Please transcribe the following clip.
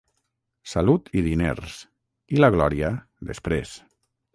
Salut i diners, i la glòria després.